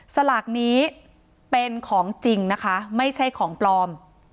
สลากนี้เป็นของจริงนะคะไม่ใช่ของปลอม